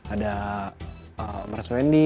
ada mas aswendy ada mas rukman rosadi